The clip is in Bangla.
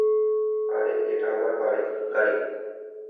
আরে, ওটা আমার গাড়ি।